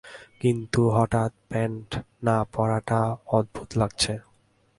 কিন্তু, হঠাৎ প্যান্ট না পরাটা অদ্ভুত লাগছে।